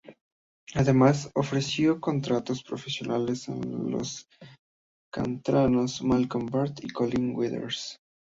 Además, ofreció contratos profesionales a los canteranos Malcolm Beard y Colin Withers.